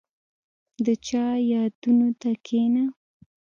• د چا یادونو ته کښېنه.